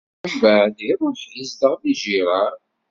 Mbeɛd iṛuḥ izdeɣ di Girar.